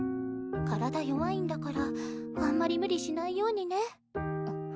体弱いんだからあんまり無理しないようにね。